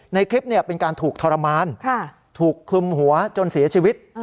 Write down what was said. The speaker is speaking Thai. ในคลิปเป็นการถูกทรมานถูกคลุมหัวจนเสียชีวิต